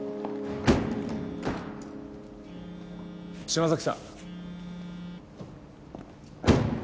島崎さん。